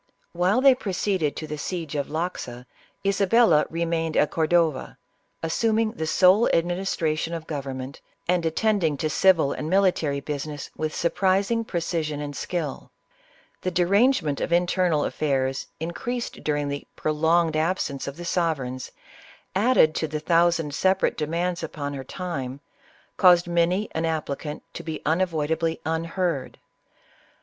While they proceeded to the siege of Loxa, Isabella remained at Cordova, assuming the sole administration of government, and attending to civil and military busi ness with surprising precision and skill. The derange ment of internal affairs, increased during the prolonged absence of the sovereigns, added to the thousand sepa rate demands upon her time, caused many an applicant to be unavoidably unheard.